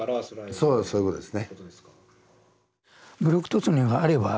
そうそういうことですね。